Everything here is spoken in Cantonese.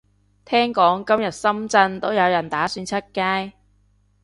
聽講今日深圳都有人打算出街